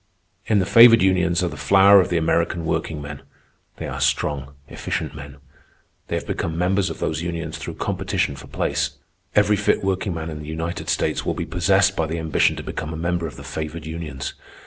"In the favored unions are the flower of the American workingmen. They are strong, efficient men. They have become members of those unions through competition for place. Every fit workman in the United States will be possessed by the ambition to become a member of the favored unions.